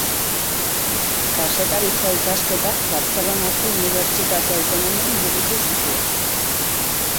Kazetaritza ikasketak Bartzelonako Unibertsitate Autonomoan burutu zituen.